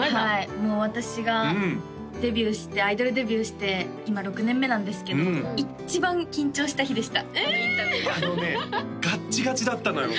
もう私がデビューしてアイドルデビューして今６年目なんですけど一番緊張した日でしたあのインタビューがあのねガッチガチだったのよ